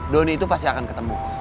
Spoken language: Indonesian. doni itu pasti akan ketemu